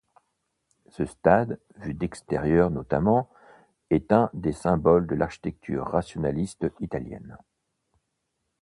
Ce stade, vu d’extérieur notamment, est un des symboles de l'architecture rationaliste italienne.